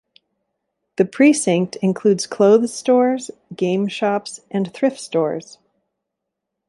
The precinct includes clothes stores, game shops and thrift stores.